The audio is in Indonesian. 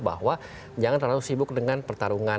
bahwa jangan terlalu sibuk dengan pertarungan